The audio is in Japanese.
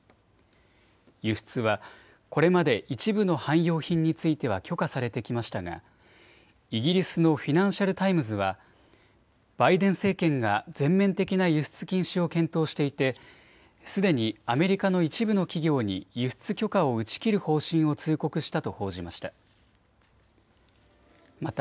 輸出はこれまで一部の汎用品については許可されてきましたがイギリスのフィナンシャル・タイムズはバイデン政権が全面的な輸出禁止を検討していてすでにアメリカの一部の企業に輸出許可を打ち切る方針を通告したと報じました。